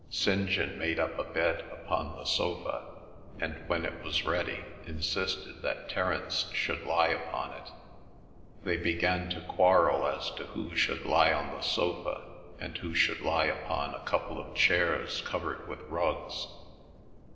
St. John made up a bed upon the sofa, and when it was ready insisted that Terence should lie upon it. They began to quarrel as to who should lie on the sofa and who should lie upon a couple of chairs covered with rugs.